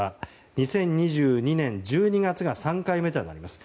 ２０２２年１２月が３回目となります。